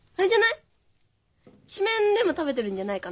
きしめんでも食べてるんじゃないかな？